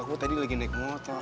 aku tadi lagi naik motor